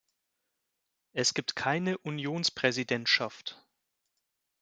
Es gibt keine "Unionspräsidentschaft".